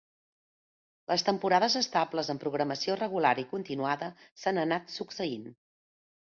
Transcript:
Les temporades estables, amb programació regular i continuada s’han anat succeint.